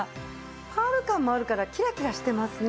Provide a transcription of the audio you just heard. パール感もあるからキラキラしてますね。